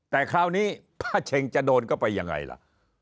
แต่คราวนี้ป้าเช็งจะโดนเข้าไปยังไงล่ะ